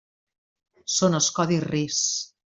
Són els codis RIS.